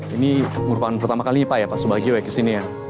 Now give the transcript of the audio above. ini merupakan pertama kali pak ya pak subagio ya kesini ya